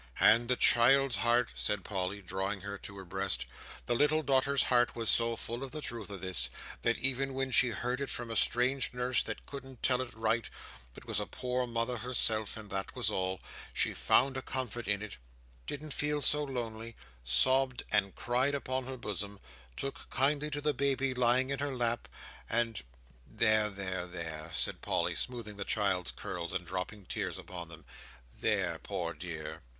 "And the child's heart," said Polly, drawing her to her breast: "the little daughter's heart was so full of the truth of this, that even when she heard it from a strange nurse that couldn't tell it right, but was a poor mother herself and that was all, she found a comfort in it—didn't feel so lonely—sobbed and cried upon her bosom—took kindly to the baby lying in her lap—and—there, there, there!" said Polly, smoothing the child's curls and dropping tears upon them. "There, poor dear!"